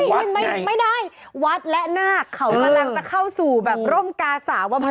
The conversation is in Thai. ไม่ได้วัดและนาคเขากำลังจะเข้าสู่แบบร่มกาสาว